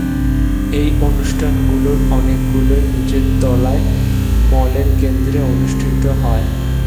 এই অনুষ্ঠানগুলোর অনেকগুলোই নিচের তলায় মলের কেন্দ্রে অনুষ্ঠিত হয়।